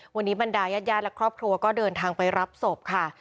วันนี้บรรดายาดและครอบครัวก็เดินทางไปรับศพค่ะ